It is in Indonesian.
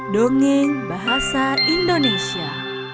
dongeng bahasa indonesia